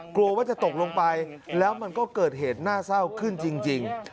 กลัวว่าจะตกลงไปแล้วมันก็เกิดเหตุน่าเศร้าขึ้นจริง